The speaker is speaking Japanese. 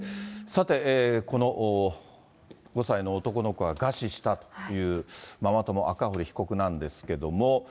さて、この５歳の男の子が餓死したという、ママ友、赤堀被告なんですけれども。